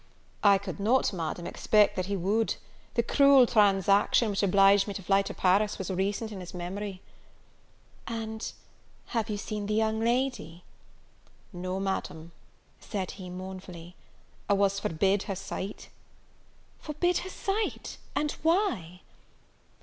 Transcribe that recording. "I could not, Madam, expect that he would; the cruel, transaction, which obliged me to fly to Paris, was recent in his memory." "And, have you seen the young lady?" "No, Madam," said he, mournfully, "I was forbid her sight." "Forbid her sight! and why?"